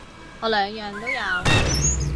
我兩樣都有